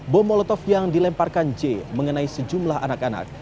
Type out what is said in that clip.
bom molotov yang dilemparkan j mengenai sejumlah anak anak